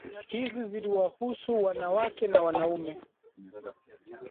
Hizi ziliwahusu wanawake na wanaume